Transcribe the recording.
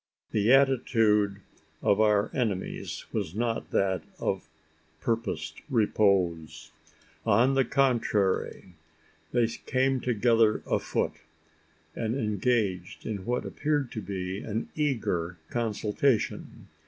The attitude of our enemies was not that of purposed repose. On the contrary, they came together afoot; and engaged in what appeared to be an eager consultation.